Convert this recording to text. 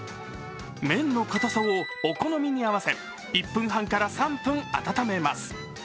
麺の固さをお好みに合わせ１分半から３分温めます。